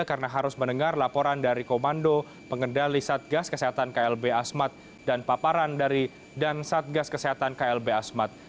karena harus mendengar laporan dari komando pengendali satgas kesehatan klb asmat dan paparan dari dan satgas kesehatan klb asmat